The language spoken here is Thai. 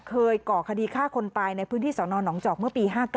ก่อคดีฆ่าคนตายในพื้นที่สนหนองจอกเมื่อปี๕๙